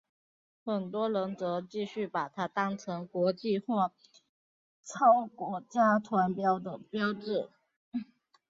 很多人则继续把它当成国际或超国家团结的标志。